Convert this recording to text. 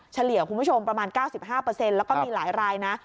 เฉลี่ยคุณผู้ชมประมาณ๙๕แล้วก็มีหลายรายนะ